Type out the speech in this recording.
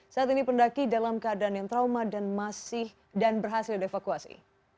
saat ini pendaki dalam keadaan yang trauma dan berhasil di evakuasi